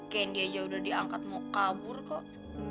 kendi aja udah diangkat mau kabur kok